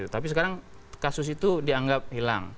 tapi sekarang kasus itu dianggap hilang